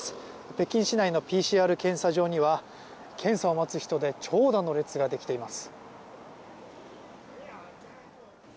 北京市内のＰＣＲ検査場には検査を待つ人で長蛇の列ができています。